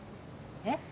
えっ？